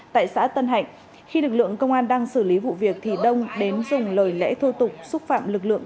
tại xã tân hạnh khi lực lượng công an đang xử lý vụ việc thì đông đến dùng lời lẽ thô tục xúc phạm lực lượng